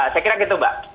saya kira gitu mbak